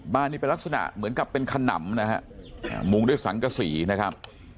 บ้านนี้เป็นลักษณะเหมือนกับเป็นขนำนะฮะมุงด้วยสังกษีนะครับ